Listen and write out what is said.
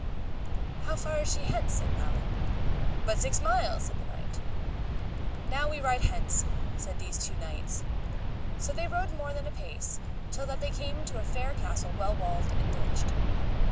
How far is she hence? said Balin. But six mile, said the knight. Now ride we hence, said these two knights. So they rode more than a pace, till that they came to a fair castle well walled and ditched.